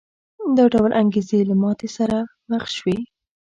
دا ډول انګېزې له ماتې سره مخ شوې.